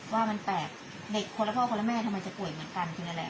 ว่ามันแปลกเด็กคนละพ่อคนละแม่ทำไมจะป่วยเหมือนกันจริงนั่นแหละ